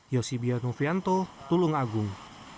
yosibia nufianto tulung agung